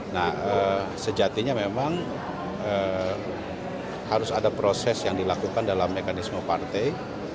nah sejatinya memang harus ada proses yang dilakukan dalam mekanisme partai